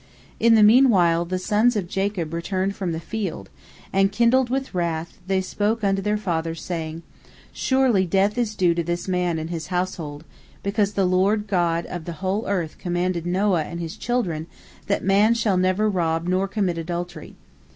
In the meanwhile the sons of Jacob returned from the field, and, kindled with wrath, they spoke unto their father, saying, "Surely death is due to this man and his household, because the Lord God of the whole earth commanded Noah and his children that man shall never rob nor commit adultery.